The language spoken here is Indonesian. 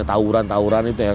tauran tauran itu ya